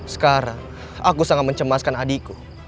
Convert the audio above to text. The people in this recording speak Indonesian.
sekarang aku sangat mencemaskan adikku